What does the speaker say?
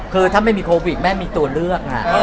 คือถ้าไม่มีโควิดแม่มีตัวเลือก